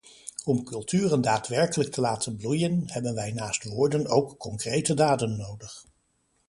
Om culturen daadwerkelijk te laten bloeien, hebben wij naast woorden ook concrete daden nodig.